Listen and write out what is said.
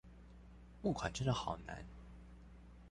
募款真的好難